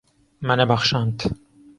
Me nebexşand.